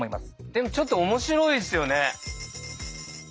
でもちょっと面白いですよね。